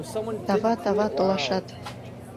Тава-тава толашат.